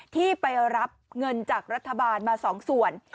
ที่ไปรับเงินจากรัฐบาลมา๒ส่วน